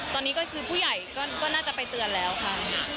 ตอนนี้ก็คือผู้ใหญ่ก็น่าจะไปเตือนแล้วค่ะ